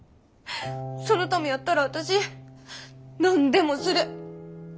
そのためやったら私何でもする。